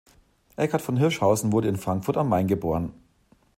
Eckart von Hirschhausen wurde in Frankfurt am Main geboren.